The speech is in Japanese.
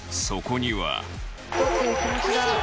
そこには。